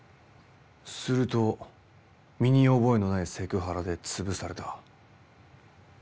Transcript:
すると身に覚えのないセクハラで潰された？